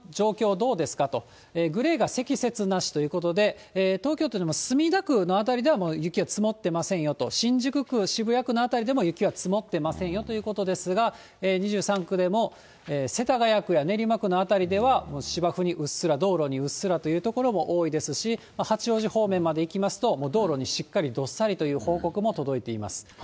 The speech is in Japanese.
どうですかと、グレーが積雪なしということで、東京都でも墨田区の辺りではもう雪が積もってませんよと、新宿区、渋谷区の辺りは雪は積もってませんよということですが、２３区でも世田谷区や練馬区の辺りでは、もう芝生にうっすら、道路にうっすらという所も多いですし、八王子方面まで行きますと、もう道路にしっかり、どっさりという報告も届いています。